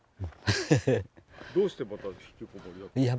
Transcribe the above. どうしてまた引きこもりだったんですか？